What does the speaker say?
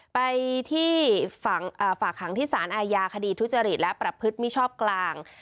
ไปที่ฝากขังที่สารอาญาคดีทุจริตและประพฤติมิชอบกลาง